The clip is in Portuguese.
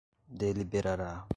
deliberará